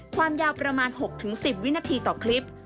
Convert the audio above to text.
ความยาวประมาณ๖๑๐วินาทีต่อคลิป